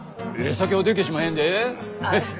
酒はでけしまへんで。